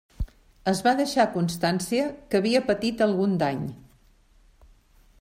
Es va deixar constància que havia patit algun dany.